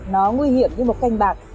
nó nguy hiểm như một canh bạc